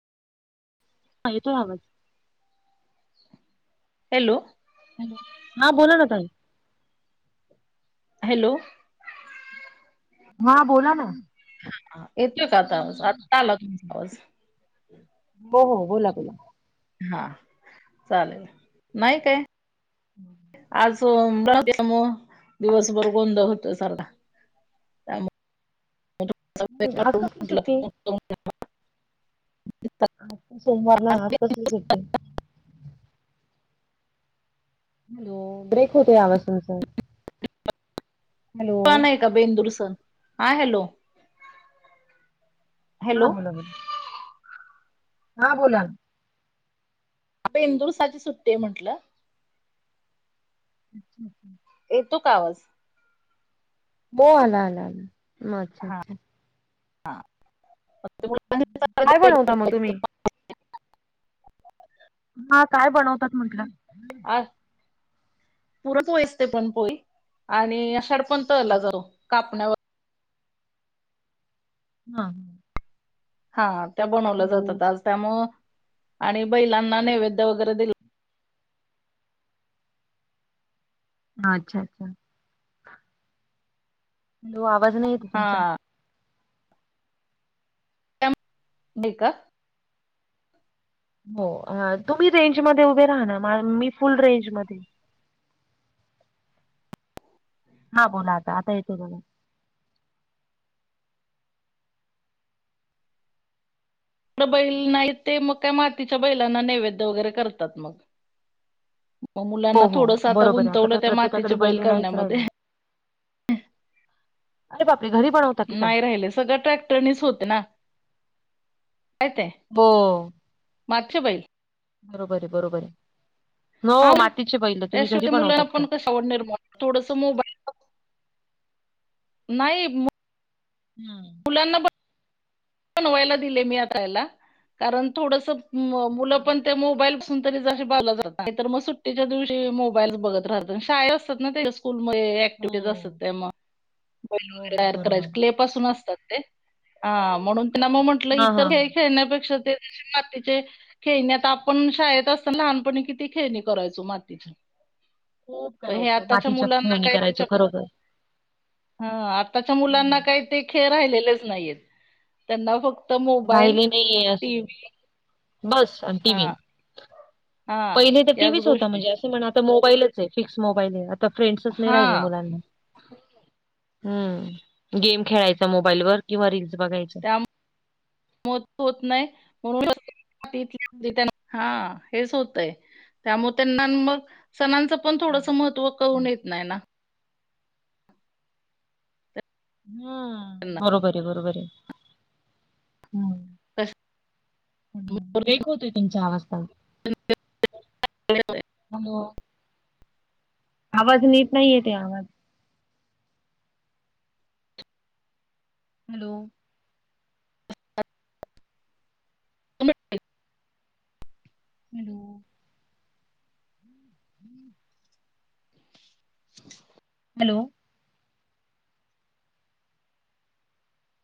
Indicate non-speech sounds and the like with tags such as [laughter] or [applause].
आली तेव्हा. Hello! Hello हा बोला ना ताई. हॅलो! हा बोला ना. येतोय का आता आवाज, आता आला तुमचा आवाज. हो हो बोला बोला. हां चालेल, नाही ते, आज [unintelligible] मग दिवसभर बंद होतय साला आज कसली सुट्टी? म्हट [unintelligible] आज तर सोमवार ना, आज म्हटलं कसली सुट्टी? हॅलो, ब्रेक होतय आवाज तुमचा. हॅलो! बेंदुर सन,, हां हॅलो. हा हॅलो बोला बोला. हा बोला. बेंदूर साठी सुट्टी आहे म्हटलं. अच्छा. येतो का आवाज? हो आला आला, म अच्छा अच्छा हां. काय बनवता मग तुम्ही? हा, काय बनवतात म्हटलं? अ पुरणपोळी आसते पुरणपोळी, आणि आषाढ पण तळला जातो, कापण्या वगै हां. हा, त्या बनवल्या हॅलो जातात आज त्यामुळं, आणि बैलांना नैवेद्य वगैरे दिल हा अच्छा अच्छा. हो आवाज नाही येत हा तुमचा ब का [unintelligible] हो, तुम्ही रेंज मध्ये उभे राहा ना, मी फुल रेंज मधेय. हा बोला आता, आता येतो बघा. बैल नाही, ते मग काय मातीच्या बैलांना नैवेद्य वगैरे करतात मग. मग हो मुलांना हो थोडसं आता बरोबर आहे काही गुंतवलं त्या प्रत्येकाकडे मातीचे बैल बैले नाहीच राहिले. करण्यामध्ये. अरे बापरे! घरी बनव नाही राहिले, सगळं ट्रॅक्टरनीच होतं ना, काय ते हो. मागछे बै बरोबर आहे, बरोबर य, हा हो ना मातीचे बैलं तुम्ही त्याशिवाय घरी ते मुलांना बनवतात का? पण कशी आवड निर्माण थोडसं मोबाई नाही मो हां. [unintelligible] बनवायला दिलंय मी आता ह्याला, कारण थोडसं हम्म. मुलंपण त्या मोबाईल पासून तरी ज बलं जात, नाहीतर मग सुट्टीच्या दिवशी मोबाईलच बघत राहतात, शाळेत असतात ना ते स्कूल म हो बैल हो वगैरे हो तयार बरोबर करायचं, क्ले पासुन असतात ते, आं म्हणून त्यांना मग म्हटलं, हा हा इतर हा. खेळ खेळण्यापेक्षा ते मातीचे खेळणी आता आपण, शाळेत असताना लहानपणी किती खेळणी करायचो मातीची. खूप प हे करायचो आताच्या मातीच्या मुलांना खेळणी काय करायचो त्याच्या मु खरोखर. हा आताच्या मुलांना हम्म. काय ते खेळ राहिलेले चं नाहीयेत. त्यांना फक्त मोबाईल राहिले नाहीये टी असे व्ही बस आणि टी व्ही, हां पहिले तर याच टीव्हीच होता गोष्टी. म्हणजे असं म्हण आता मोबाईलच आहे फिक्स मोबाईल आहे आता फ्रेंड्सच नाही राहिले हां, मुलांना, हम्म गेम खेळायचा मोबाईल वर किंवा रीलस बघायचे. [inaudible] मत पोत होत नाही म्हणून [inaudible] हा हेच होतयं. त्यामुळे त्यांना मग सणांचं पण थोडस हम्म. महत्त्व कळून अच्छा. येत नाही ना. हम्म त्यांना बरोबर आहे बरोबर आहे हम्, बेक होतय तुमच्या अवाज ताई? [inaudible] हॅलो आवाज निट नाही येते आवाज आहे आवाज? Hello [unintelligible] hello [unintelligible] [unintelligible] hello